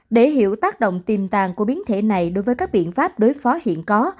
để hiểu tác động tiềm tàng của biến thể này đối với các biện pháp đối phó hiện có